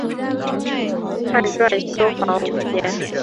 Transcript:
汉纂修房五间。